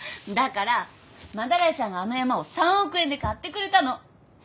だから斑井さんがあの山を３億円で買ってくれたの。